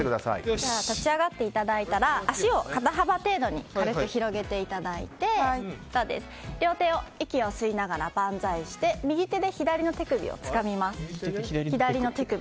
立ち上がっていただいたら足を肩幅程度に軽く広げていただいて両手を息を吸いながらバンザイして右手で左の手首をつかみます。